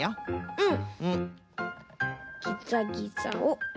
うん。